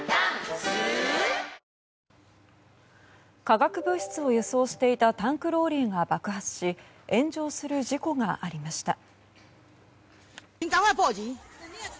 化学物質を輸送していたタンクローリーが爆発し炎上する事故がありました。